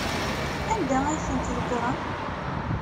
Anda ay tent-tḍeggrem?